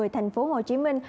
thành phố hồ chí minh